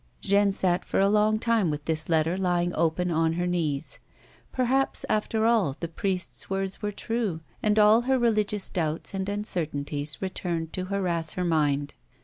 Jeanne sat for a long time with this letter lying open on her knees. Perhaps, after all, the priest's words were true ; and all her religious doubts and uncertainties returned to harass her mind.